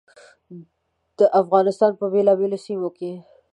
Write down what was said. د افغانستان په بېلابېلو سیمو کې.